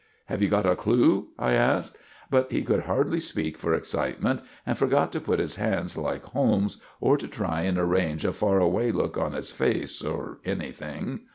"Have you got a clue?" I asked. But he could hardly speak for excitement, and forgot to put his hands like Holmes, or to try and arrange a 'far away' look on his face, or anything.